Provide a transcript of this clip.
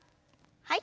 はい。